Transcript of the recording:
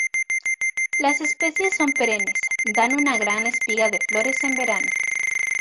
Las especies son perennes, dan una gran espiga de flores en verano.